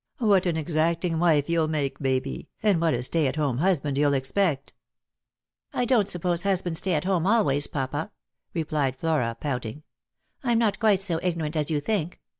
What an Kxacting wife you'll make, Baby, and what a stay at home husband you'll expect !" "I don't suppose husbands stay at home always, papa," re plied Flora, pouting. " I'm not quite so ignorant as you think.